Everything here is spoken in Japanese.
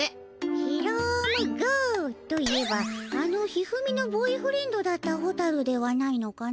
ひろむ・ごーといえばあの一二三のボーイフレンドだったホタルではないのかの？